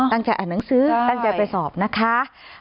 อ่านหนังสือตั้งใจไปสอบนะคะ